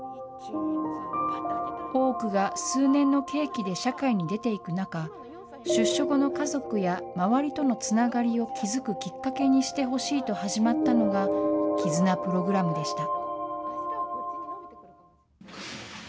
多くが数年の刑期で社会に出ていく中、出所後の家族や周りとのつながりを築くきっかけとしてほしいと始まったのが、絆プログラムでした。